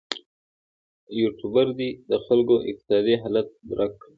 یوټوبر دې د خلکو اقتصادي حالت درک کړي.